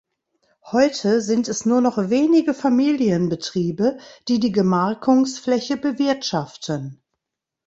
Heute sind es nur noch wenige Familienbetriebe, die die Gemarkungsfläche bewirtschaften.